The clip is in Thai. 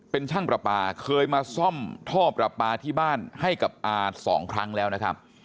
เป็นช่างประปาเคยมาซ่อมท่อประปาที่บ้านให้กับอาสองครั้งแล้วนะครับ